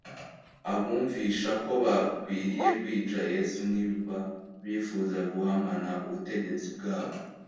abumvisha ko bakwiriye kwica Yesu niba bifuza guhamana ubutegetsi bwabo.